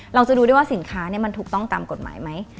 เราจะดูได้ว่าสินค้ามันถูกต้องตามกฎหมายไหม